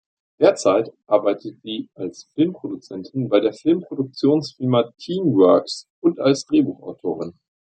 Derzeit arbeitet sie als Filmproduzentin bei der Filmproduktionsfirma Teamworx und als Drehbuchautorin.